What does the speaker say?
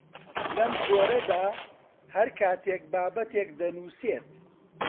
لەم جۆرەدا هەر کاتێک بابەتێک دەنووسیت